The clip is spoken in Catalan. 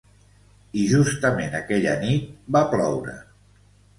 I justament aquella nit va ploure.